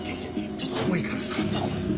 ちょっと重いからさ。